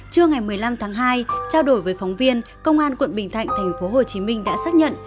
trưa ngày một mươi năm tháng hai trao đổi với phóng viên công an quận bình thạnh tp hcm đã xác nhận